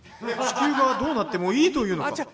地球がどうなってもいいと言うのか？」。